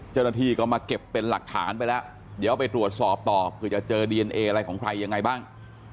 เจ้าหน้าที่ก็มาเก็บเป็นหลักฐานไปแล้วเดี๋ยวไปตรวจสอบต่อเผื่อจะเจอดีเอนเออะไรของใครยังไงบ้าง